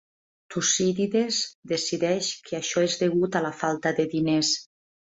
Tucídides decideix que això és degut a la falta de diners.